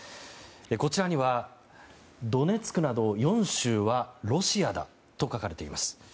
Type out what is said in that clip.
こちらにはドネツクなど４州はロシアだと書かれています。